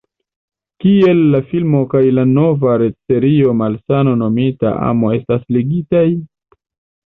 Kiel la filmo kaj la nova retserio Malsano Nomita Amo estas ligitaj?